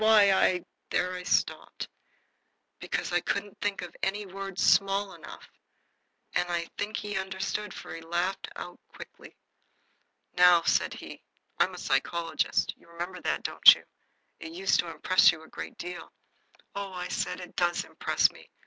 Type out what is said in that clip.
Why, I " There I stopped, because I couldn't think of any word small enough, and I think he understood, for he laughed out quickly. "Now," said he, "I'm a psychologist. You remember that, don't you? It used to impress you a good deal." "Oh," said I, "it does impress me.